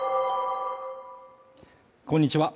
こんにちは